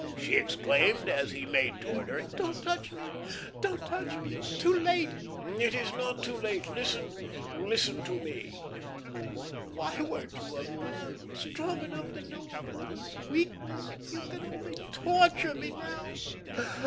she exclaimed, as he made towards her. "Don't touch me, don't touch me! It is too late." "It is not too late. Listen listen to me." "Oh, why weren't you a man, strong enough to know a woman's weakness? You can only torture me now.